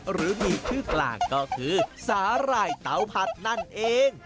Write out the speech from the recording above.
หรือมีชื่อกลางก็คือสาหร่ายเตาผัดนั่นเอง